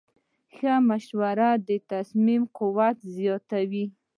ښه مشوره د تصمیم قوت زیاتوي.